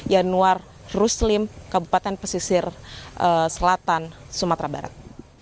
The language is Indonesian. yanuar ruslim kabupaten pesisir selatan sumatera barat